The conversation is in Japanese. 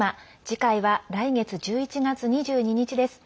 次回は来月１１月２２日です。